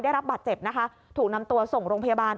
ได้รับบาดเจ็บนะคะถูกนำตัวส่งโรงพยาบาล